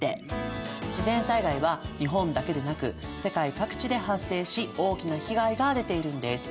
自然災害は日本だけでなく世界各地で発生し大きな被害が出ているんです。